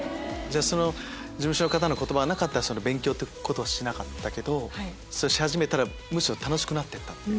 事務所の方の言葉がなかったら勉強はしなかったけどそれをし始めたらむしろ楽しくなってった？